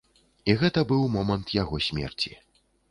І гэта быў момант яго смерці.